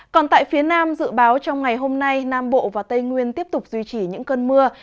còn tại phía nam dự báo trong ngày hôm nay nam bộ và tây nguyên tiếp tục duy trì những cơn mưa